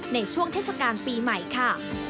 ในช่วงเทศกาลปีใหม่ค่ะ